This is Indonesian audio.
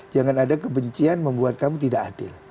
jangan ada kebencian membuat kamu tidak adil